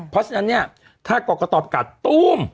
เพราะฉะนั้นเนี่ยถ้ากรกตประกาศตู้ม